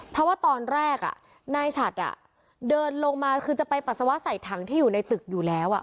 เพราะว่าตอนแรกนายฉัดเดินลงมาคือจะไปปัสสาวะใส่ถังที่อยู่ในตึกอยู่แล้ว